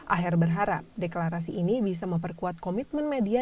aher berharap deklarasi ini bisa memperkuat komitmen media